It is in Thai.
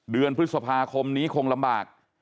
เดือนพฤษภาคมนี้คงลำบาก